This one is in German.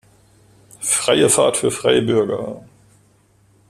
Freie Fahrt für freie Bürger!